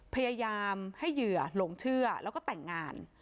พยายามให้เหยื่อหลงเชื่อแล้วก็แต่งงาน